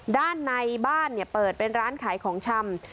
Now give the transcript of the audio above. ด้านในบ้านเปิดเป็นร้านขายของชำ